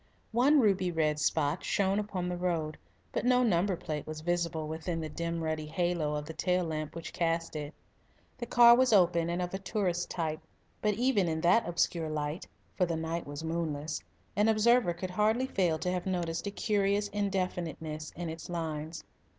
One ruby red spot shone upon the road, but no number plate was visible within the dim ruddy halo of the tail lamp which cast it. The car was open and of a tourist type, but even in that obscure light, for the night was moonless, an observer could hardly fail to have noticed a curious indefiniteness in its lines.